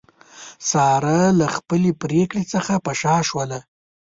ساره له خپلې پرېکړې څخه په شا شوله.